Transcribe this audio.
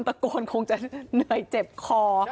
ตะโกนคงจะเหนื่อยเจ็บคอ